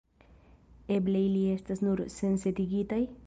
Eble ili estas nur sensentigitaj?